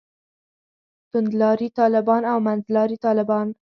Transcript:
توندلاري طالبان او منځلاري طالبان.